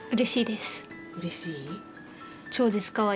うれしい？わ。